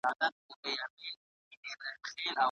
هغه پنډي چي دلته دی، په اوږه باندي ګڼ توکي